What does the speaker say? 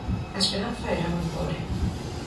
A esperanza era moi pobre.